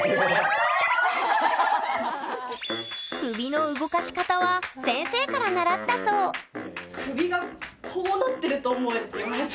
首の動かし方は先生から習ったそう首がこうなってると思えって言われた。